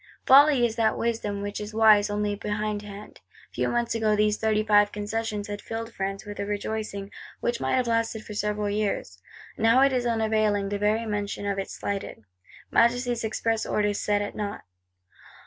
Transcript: Folly is that wisdom which is wise only behindhand. Few months ago these Thirty five Concessions had filled France with a rejoicing, which might have lasted for several years. Now it is unavailing, the very mention of it slighted; Majesty's express orders set at nought.